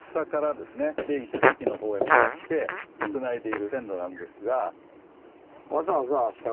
伊勢崎のほうへ向かってつないでいる線路なんですが。